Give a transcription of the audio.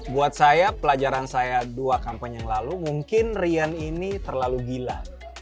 buat saya pelajaran saya dua kampanye yang lalu mungkin rian ini terlalu gila